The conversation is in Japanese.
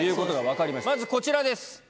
まずこちらです！